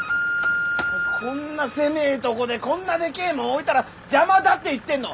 こんな狭えとこでこんなでけえもん置いたら邪魔だって言ってんの。